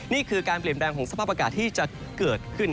นี่คือการเปลี่ยนแปลงของสภาพอากาศที่จะเกิดขึ้น